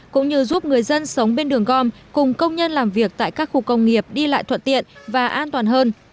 cũng như giúp người dân sống bên đường gom cùng công nhân làm việc tại các khu công nghiệp đi lại thuận tiện và an toàn hơn